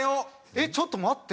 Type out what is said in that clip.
えっちょっと待って。